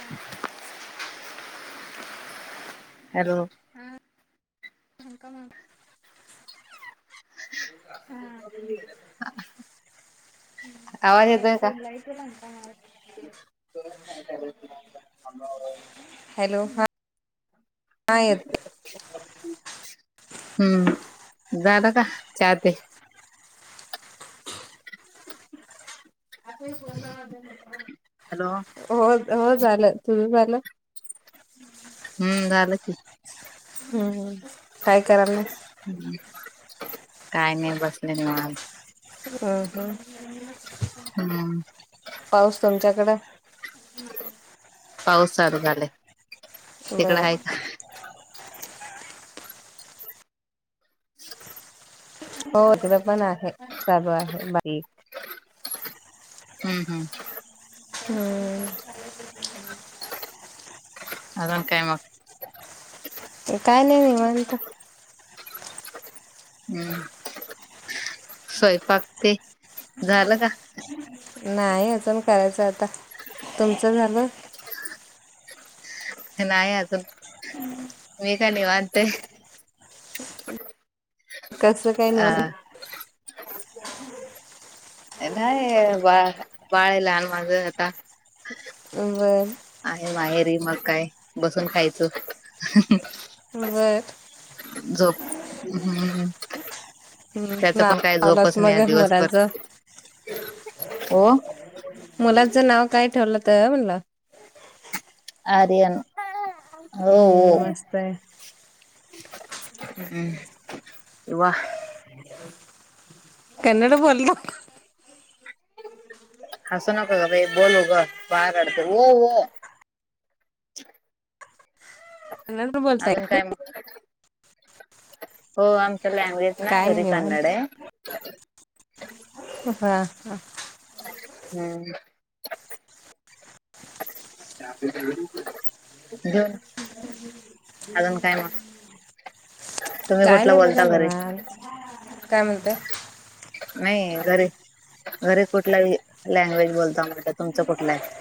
हम hello हा का म हम ह् आवाज म येतोय का जुलाई तेलंगणा हहह हॅलो ह हा येतोय. हम्म दादा का चाते- हॅलो हो हो झालं सुुरू झालं. हम्म झालं कि. हम्म काय कराला. काय नाही बसले म हम् हम् हम्म पाऊस तुमच्याकडें पाऊस चालू झालाय तिकडं बर आहे का [inaudible] हो तिला पण आहे चालू आहे बाई हम् हम् हम्म अजून काय मग काय नाही निवांत. हम् स्वयंपाक ते झालं का? ह नाही अजून करायचं आता तुमचं झालं? नाही अजून हि काय निवांत आहे. कसं काय अ निवांत. नाही बा बाळ लहान माझं आता. म आहे माहेरी मग काय बसून खायचं. वर झ हम्म हम्म त्याच नाव पण काही ठेवलात झोपच नाही मग या दिवसभर मुलाचं हो. मुलाचं नाव काय ठेवलं तर म्हणला? आर्यन हो हम्म हो मस्त आहे हम्वा कन्नड बोल हसू नका ग बोलू ग बाळ रडत. कन्नड बोलताय अजून का काय म्ह- तुम्ही? हो आमच लँग्वेज ना काय नाही घरी कन्नड निवांत आहे. हा हा हम्म ह तुम्ही काय कुठला न बोलता बघण इन घरी काय म्हणत नाही घरी घरी कुठलाही लँग्वेज बोलता म्हटलं तुमचं कुठलं आहे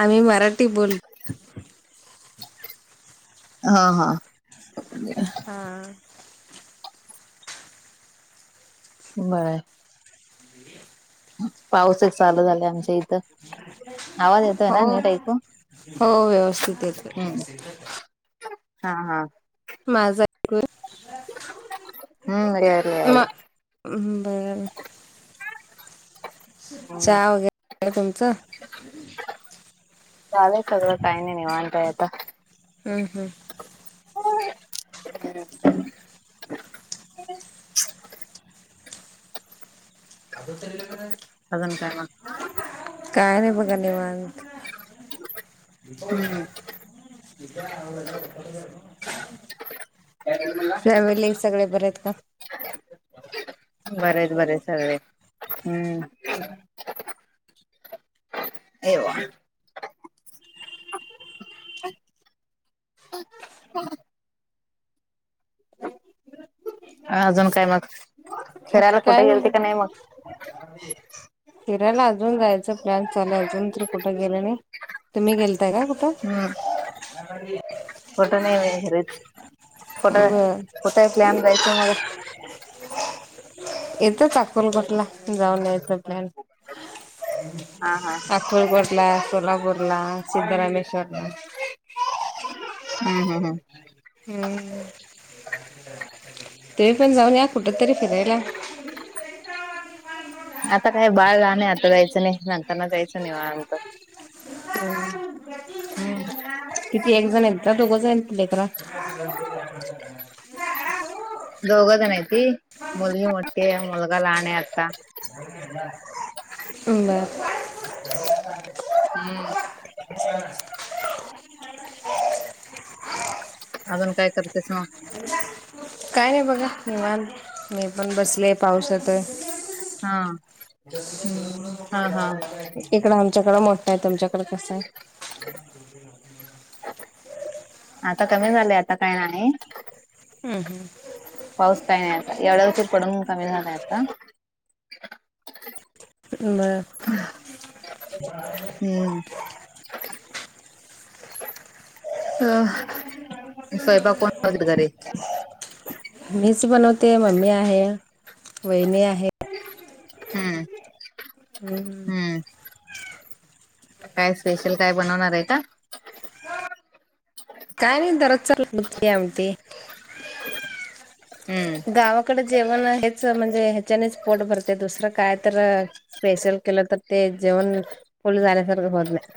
आम्ही मराठी बोलतो हा हा हां बरं पाऊसच चालू झालं आमच्या इथं आवाज येतो आहे हो ना नट एकको हो व्यवस्थित येते हम्म हा हा. माझाक. हम्म मर र आहे. बरं हम्म चहा वगैरे तुमचं. झालंय सगळं काही नाही नाही वाणताय आता. हम् हम्. ह. अत तरी लकर. अजून काय मग काय नाही बघा निवांत. [inaudible] [unintelligible] फॅमिली सगळे बरे आहेत का बरेत बरेत सगळे हम्म [inaudible] [inaudible] अजून काय मग करायला कुठे गेलते का नाही मग ह फिरायला अजून जायचं प्लॅन चालय अजून तरी कुठे गेले नाही तुम्ही गेलताय का कुठं? हम्म फोटा नाही घरच फोट बर प्ॅन रायं मग. येतच आकलकोटला जाऊन यायचा प्लॅन. हा हा आकोलकोटला सोलापूर ला सिद्धरामेश्वर ला. हम् हम् हम्. हम्म ते पण जाऊन या कुठ तरी फिरायला. आता काय बाळ लहान आता जायचं नाही नंतरना जायचं निवांत ह हम्म किती एक जण हाईत का दोघ जण हायत लेकर [unintelligible] दोघं जण आहे ती मुलगी मोठ्ठी मुलगा लाहान आहे आता. बर. हम्म. अजून काय करतेस मग. काय नाही बघा निवांत मी पण बसले पाऊस येतोय हा. [unintelligible] हा हा. इकडं आमच्याकड मोठं आहे तुमच्याकडे कसं आहे. आता कमी झालंय आता काय नाही. हम्म हम्म. पाऊस काय एवढ्या उशीर पडून कमी झालाय आता बर. [inaudible] हम्म. स्वयंपाक कोण करत घरी [unintelligible] मीच बनवते मम्मी आहे वहिणी आहे. हम्म. हम्म हम्म काय स्पेशल काय बनवणार आहे का? काय नई दरोज [unintelligible] हम्म. गावाकडे जेवण हेच म्हणजे ह्याच्यानेच पोट भरते दुसरं काय तर? स्पेशल केलं तर ते जेवण फुल जाण्यासारखं होत नाही.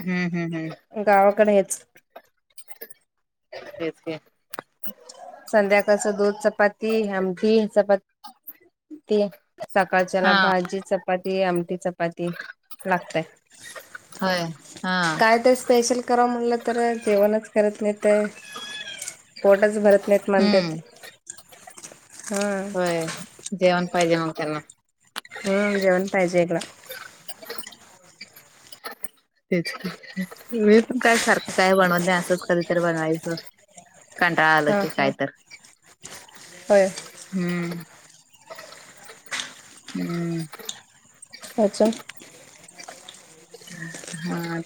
हम्म हम्म हम्म. गावकड हेच [unintelligible] संध्याकाळसं दूध चपाती आमटी चपा ती सकाळच्याला हा भाजी चपाती आमटी चपाती लागतय हय काय तर स्पेशल कराव म्हणलं तर जेवणच करत नाहीेत ते पोटच भरत नाहीत म्हणतेत हम्म हा होय. जेवण पाहिजे मग त्यांना हम जेवण पाहिजे एकला तेच मी पण काय सारखं काय बनवत नाही असंच कधीतरी बनवायचं. कंटाळा आलं हा की काय हा तर. होय. हम्म. हम्म आजुन.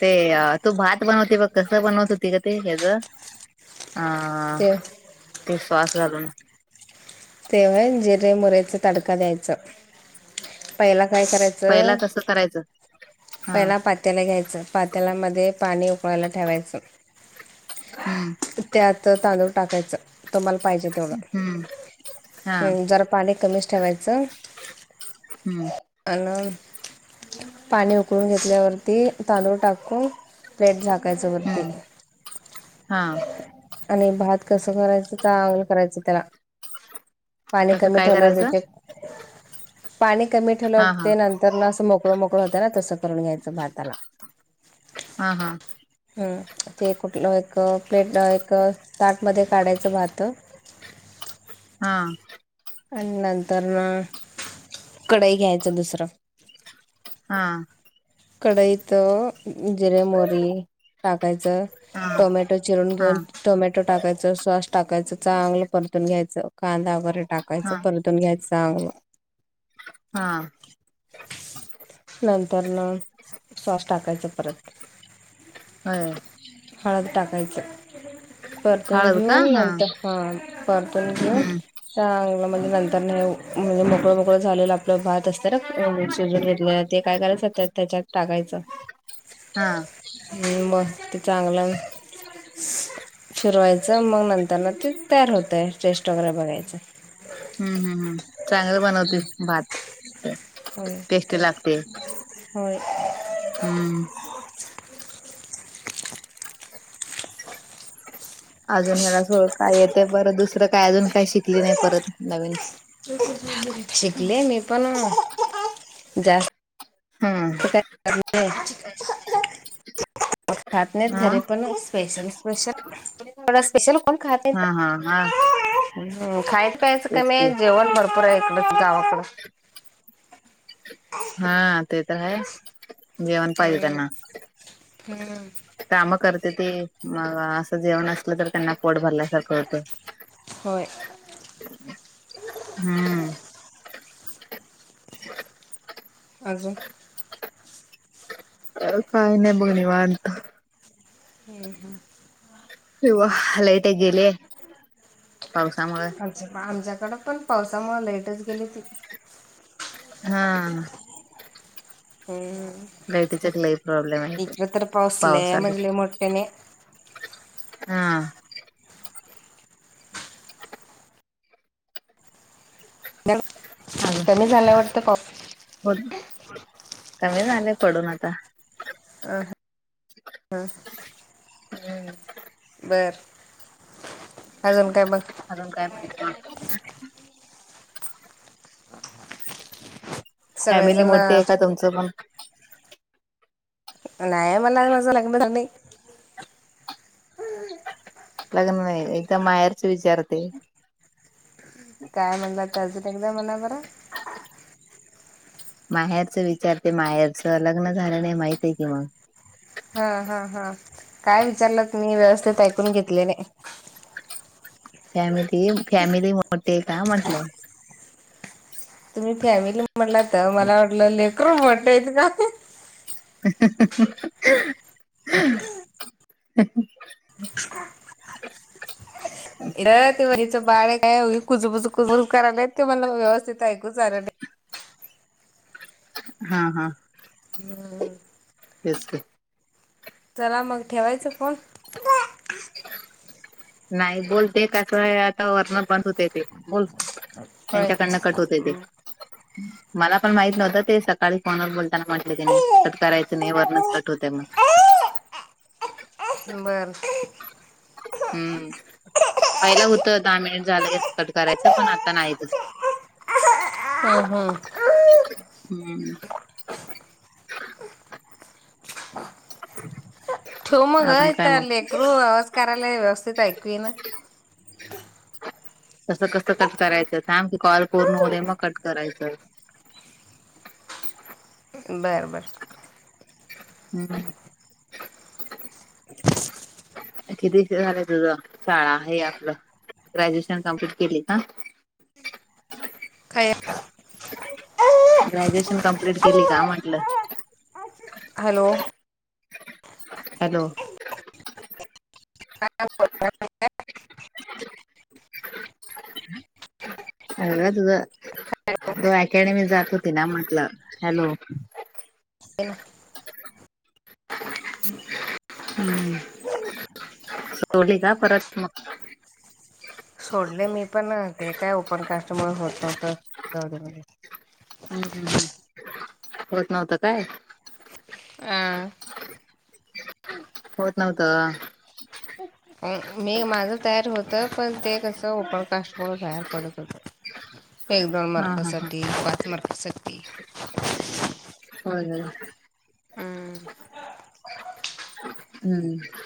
ते तू भात बनवते बघ कसं बनवत होती का ते हच हा ते ते सॉस घालून ते होय जिरे मुरेचा तडका द्यायचा पहिला काय करायचं पहिला कसं करायचं हा पहिला पात्याल घ्यायचं पात्यालामध्ये पाणी उकळायला ठेवायचं हम्म त्यात तांदूळ टाकायचं तुम्हाला हम्म हा हम् जरा पाणी कमीच ठेवायचं. हम्म आणि पाणी उकळून घेतल्यावरती तांदूळ टाकून पेट झाकायचं वरती हम्म हा आणि भात कसं करायचं तर अगलं करायचं त्याला पाणी कसं कमी काय ठेवल्यावर करायचं तथे पाणी कमी ठेवलं हा हा ते नंतर ना असं मोकळं मोकळं होतं ना तसं करून घ्यायचं भाताला हा हा ह ते कुठलं एक प्लेट एक साठमध्ये काढायचं भात हा आणि नंतर कडाई घ्यायचं दुसरं हा कढईत जिरे मोरी टाकायचं हा टोमॅटो चिरून हा घेऊन टोमॅटो टाकायचं सॉस टाकायचं चांगलं परतून घ्यायचं कांदा वगैरे टाकायचं हा परत ून घ्यायचंग [inaudible] हा नंतर न सॉस टाकायचा परत. होय हळद टाकायचं, परतून हळद का घेऊन नंतर हा परतून घेऊन हम्म चांगलं म्हणजे नंतर नाही म्हणजे मोकळं मोकळं झालेलं आपलं भात असत र घेतले, ते काय करायचं त्यात त्याच्यात टाकायचं हा मस् ते चांगलं फिरवायचं मग नंतर त्याना ते तयार होतय टेस्ट वगैरे बघायचं. हम्म हम्म हम चांगले बनवते भात होय टेस्टी लागते. होय. हम्म अजून मला सों काय येते परत दुसरं काय अजून काही शिकली नाही परत नवीन शिकले मी पण जास्त हा शिकयत कर श [inaudible] खात नाहीत हा घरे पण स्पेशल स्पेशल थोडा स्पेशल कोण खात? हा हा हा हम खायचं प्यायचं का तेच म की जेवण भरपूर आहे इकडच गावाकड हा ते तर आहे. जेवण पाहिजे हम्म त्यांना हम्म काम करते ते मग असं जेवण असलं तर त्यांना पोट भरल्यासारखं होतं. हो हम् अजून काही नाही बघ निवांत. ह ह [unintelligible] किवा लाईट एक गेले, पावसामुळ. आ आमच्याकडे पण पावसामुळे लाईटच गेली. हा. हम् लाईटीचा लई प्रॉब्लेम आहे इकं तर पाऊस पाऊसलं आला म्हजे मोठ यांनीणे [inaudible] हा [inaudible] कमी झाला वाटतं ह पाऊस बोल, कमी झाले पडून आता. हम. हम्म.. बरं अजून काय बघ. अजून काय माहिती ना. फॅमिली सगळेजण मोठ्ठी आहे का तुमचं मग? नाय मला माझं लग्न झालयं. लग्न नाही, एकदा माहेरचे विचारते. काय म्हणला, ते अजून एकदा म्हणा बर. माहेरच विचारते माहेरच लग्न झालं नाही, माहित आहे की मग. हा हा हा, काय विचारलं तुम्ही व्यवस्थेत ऐकून घेतले नाही. फॅमिली फॅमिली मोठी आहे का म्हटलं? तुम्ही फॅमिली म्हटला तर, मला वाटलं लेकरू मोठे आहेत का? [unintelligible] इथं ते वहिणीचं बाळ एक हाय, ते कुजबुज कुजबुज करायलय ते मला व्यवस्थित ऐकूच आले नाही. हा हा. हम्म, तेच की. चला मग ठेवायचा फोन. नाही बोलते, कसयं आता वरण बंद होतय ते. बोल होय त्यांच्या कडन कट होतयं ते, मला पण माहित नव्हत ते सक काळी फोनवर बोलताना म्हटले, त्यांनी कट करायचं नाही वरणच कट होतय म्हणून. बरं. हम्म, पहिला होतं दहा मिनिट झालं कस कट करायचं, पण आता नाही तसं. हम्म हम्म, हम्म, ठेवू मग अजून काय तर मग लेकरू आवाज करायलाय, व्यवस्थित ऐकू येना. तसं कसं कट करायचं थांब की, कॉल पुर्ण होवू दे मग कट करायचं. बरं बरं. ह ह. कितीचं झालं तुझ शाळा हे आपलं? ग्रॅज्युएशन कंप्लीट केली का? काय? ग्रॅज्युएशन कंप्लीट केली का म्हटलं? हॅलो! हॅलो! हा हा बोल. [unintelligible] अगं तुझ तु अकॅडमी जात होती ना, म्हटलं हँलो! ह ह. सोडली का परत मग? सोडले मी पण ते काय ओपन कास्ट म्हणून होत नव्हतंमध्ये हम्म, हम्म, हम्म होत नव्हतं काय. हम्म. होत नव्हतं. मी माझं तयार होत, पण ते कसं ओपड कास्टमुळे बाहेर पडत होतं. एक दोन हा हा हा. मार्कासाठी पाच मार्कासाठी. होय होय. हम्म. हम्म हम्म.